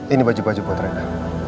ini baju baju buat rena